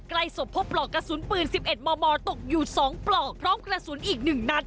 ใกล้ศพพบปลอกกระสุนปืน๑๑มมตกอยู่๒ปลอกพร้อมกระสุนอีก๑นัด